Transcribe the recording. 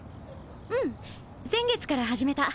うん先月から始めた。